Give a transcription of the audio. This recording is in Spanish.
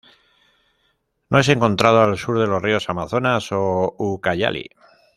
No es encontrado al sur de los ríos Amazonas o Ucayali.